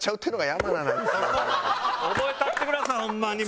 覚えたってくださいホンマに。